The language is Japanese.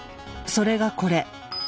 それがこれ。